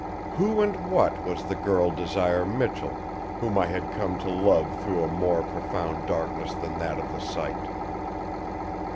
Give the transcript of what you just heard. Who and what was the girl Desire Michell whom I had come to love through a more profound darkness than that of the sight?